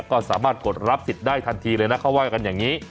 ก็สามารถกดรับสิทธิ์ได้ทันทีเลยนะเขาว่ากันอย่างนี้